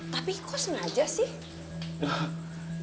tapi kok sengaja sih